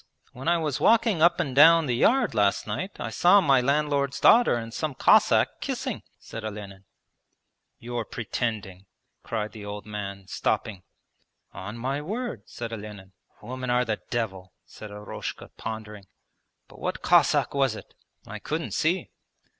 When I was walking up and down the yard last night, I saw my landlord's daughter and some Cossack kissing,' said Olenin. 'You're pretending!' cried the old man, stopping. 'On my word,' said Olenin. 'Women are the devil,' said Eroshka pondering. 'But what Cossack was it?' 'I couldn't see.'